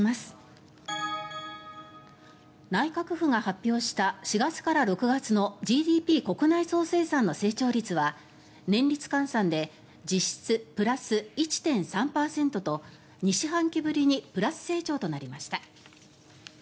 内閣府が発表した４月から６月のＧＤＰ・国内総生産の成長率は年率換算で実質プラス１．３％と２四半期ぶりにプラス成長となりました。